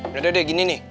ya udah deh gini nih